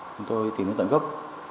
chúng tôi tìm đến tận gốc